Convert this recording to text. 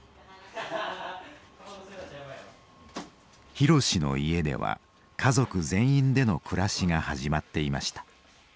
博の家では家族全員での暮らしが始まっていました。